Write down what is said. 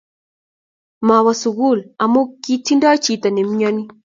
mawo sukul amu kotingdoi chito ne myoni.